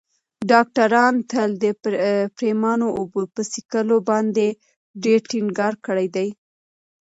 ډاکترانو تل د پرېمانه اوبو په څښلو باندې ډېر ټینګار کړی دی.